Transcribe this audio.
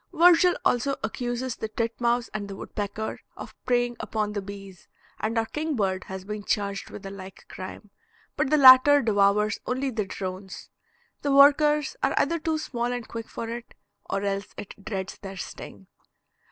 Virgil also accuses the titmouse and the woodpecker of preying upon the bees, and our kingbird has been charged with the like crime, but the latter devours only the drones. The workers are either too small and quick for it, or else it dreads their sting.